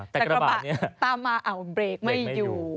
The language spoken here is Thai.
แต่กระบะตามมาเอาเบรกไม่อยู่